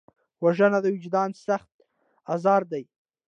وژنه د وجدان سخت ازار دی